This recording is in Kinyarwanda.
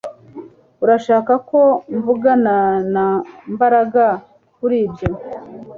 Urashaka ko mvugana na Mbaraga kuri ibyo